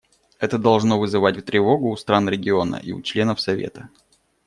Это должно вызывать тревогу у стран региона и у членов Совета.